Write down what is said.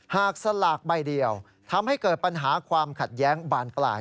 สลากใบเดียวทำให้เกิดปัญหาความขัดแย้งบานปลาย